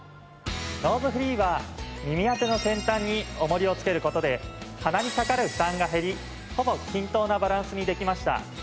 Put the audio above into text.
ノーズフリーは耳当ての先端に重りをつける事で鼻にかかる負担が減りほぼ均等なバランスにできました。